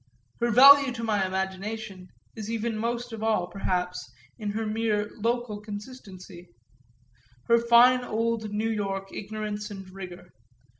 Her value to my imagination is even most of all perhaps in her mere local consistency, her fine old New York ignorance and rigour.